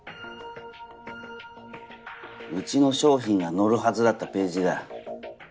うちの商品が載るはずだったページだ。